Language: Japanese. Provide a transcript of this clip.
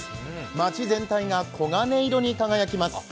街全体が黄金色に輝きます。